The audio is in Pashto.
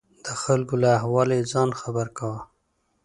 د خلکو له احواله یې ځان خبر کاوه.